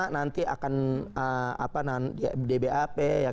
nanti akan dbap